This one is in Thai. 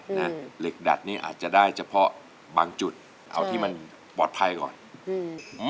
เหล็กดัดนี่อาจจะได้เฉพาะบางจุดเอาที่มันปลอดภัยก่อนอืม